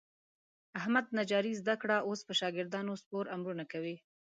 احمد نجاري زده کړه. اوس په شاګردانو سپور امرونه کوي.